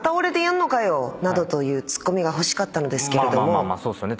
まあまあそうっすよね